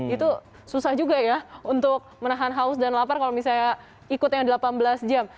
itu susah juga ya untuk menahan haus dan lapar kalau misalnya ikut yang delapan belas jam